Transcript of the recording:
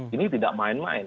ini tidak main main